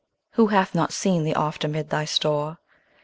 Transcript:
2. Who hath not seen thee oft amid thy store?